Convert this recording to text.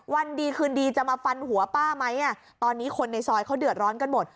วันดีคืนดีจะมาฟันหัวป้าไหมตอนนี้คนในซอยเขาเดือดร้อนกันหมด